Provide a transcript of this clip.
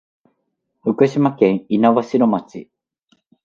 福島県猪苗代町